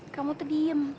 kamu tuh diem